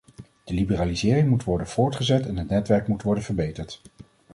De liberalisering moet worden voortgezet en het netwerk moet worden verbeterd.